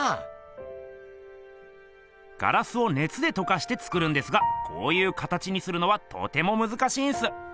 ガラスをねつでとかして作るんですがこういう形にするのはとてもむずかしいんす。